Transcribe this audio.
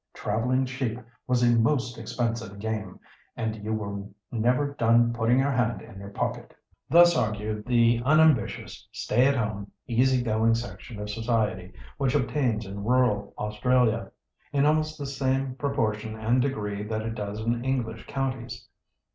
Travelling sheep was a most expensive game, and you were never done putting your hand in your pocket." Thus argued the unambitious, stay at home, easy going section of society which obtains in rural Australia in almost the same proportion and degree that it does in English counties.